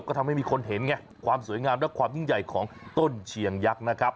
ก็ทำให้มีคนเห็นไงความสวยงามและความยิ่งใหญ่ของต้นเชียงยักษ์นะครับ